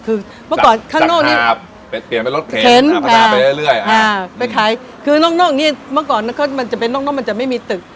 คือเมื่อก่อนข้างนอกนี้ไปเปลี่ยนเป็นรถเข็นพัฒนาไปเรื่อยไปขายคือน่องนี้เมื่อก่อนมันจะเป็นนกมันจะไม่มีตึก